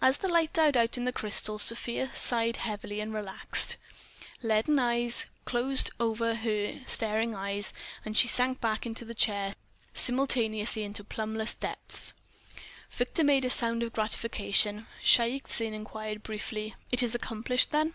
As the light died out in the crystal Sofia sighed heavily, and relaxed. Leaden eyelids closed down over her staring eyes, she sank back into the chair, simultaneously into plumbless depths.... Victor made a sound of gratification. Shaik Tsin enquired briefly: "It is accomplished, then?"